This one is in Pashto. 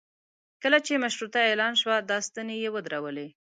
کله چې مشروطه اعلان شوه دا ستنې یې ودرولې.